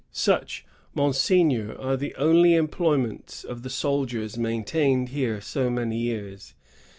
"Such, Monseigneur, are the only employments of the soldiers maintained here so many years.